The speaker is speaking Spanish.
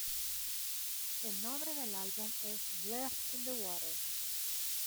El nombre del álbum es "Blood In The Water".